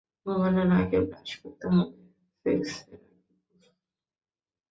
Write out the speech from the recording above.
ঘুমানোর আগে ব্রাশ করতে হবে, সেক্সের আগে গোসল।